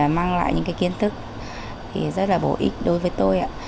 mang lại những kiến thức rất là bổ ích đối với tôi ạ